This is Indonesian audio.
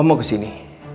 om mau kesini